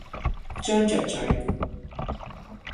張着嘴，